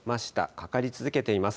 かかり続けています。